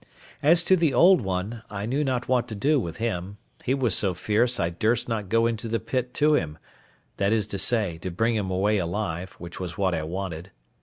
As to the old one, I knew not what to do with him; he was so fierce I durst not go into the pit to him; that is to say, to bring him away alive, which was what I wanted.